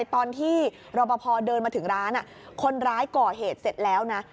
ตอนที่รอปภเดินมาถึงร้านคนร้ายก่อเหตุเสร็จแล้วนะ